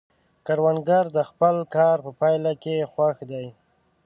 کروندګر د خپل کار په پایله کې خوښ دی